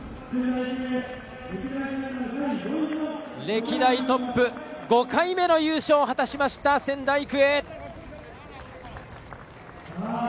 歴代トップ、５回目の優勝を果たしました、仙台育英。